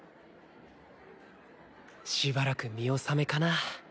しばらく見納めかな